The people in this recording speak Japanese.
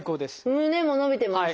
胸も伸びてます。